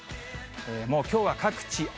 もうきょうは各地、雨。